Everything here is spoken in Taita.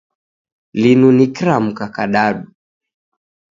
Linu ni kiramka kadadu